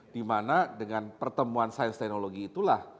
dimana dengan pertemuan sains teknologi itulah